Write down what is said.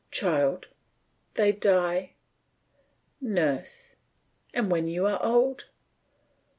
CHILD: They die. NURSE: And when you are old